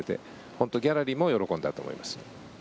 本当にギャラリーも喜んだと思います。